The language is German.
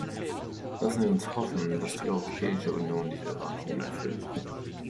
Lassen Sie uns hoffen, dass die Europäische Union diese Erwartungen erfüllt.